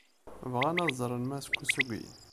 Bɣan ad ẓren Mass Kosugi.